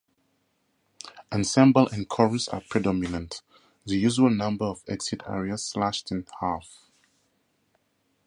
Ensemble and chorus are predominant: the usual number of exit arias slashed in half.